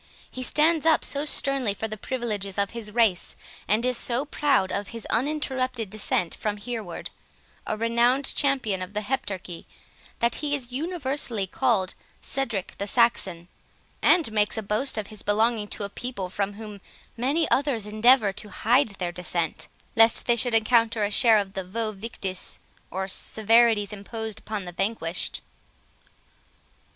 He stands up sternly for the privileges of his race, and is so proud of his uninterrupted descend from Hereward, a renowned champion of the Heptarchy, that he is universally called Cedric the Saxon; and makes a boast of his belonging to a people from whom many others endeaver to hide their descent, lest they should encounter a share of the 'vae victis,' or severities imposed upon the vanquished."